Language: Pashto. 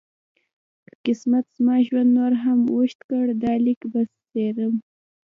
که قسمت زما ژوند نور هم اوږد کړ دا لیک به څېرم.